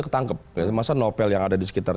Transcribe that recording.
ketangkep masa novel yang ada di sekitar